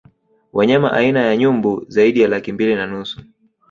Wanyama aina ya Nyumbu zaidi ya laki mbili na nusu